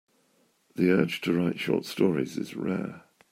The urge to write short stories is rare.